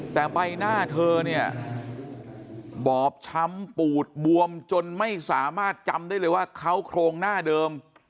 แต่ใบหน้าเธอเนี่ยบอบช้ำปูดบวมจนไม่สามารถจำได้เลยว่าเขาโครงหน้าเดิม